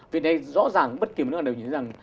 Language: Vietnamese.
vì thế rõ ràng bất kỳ một nước nào đều nhìn thấy rằng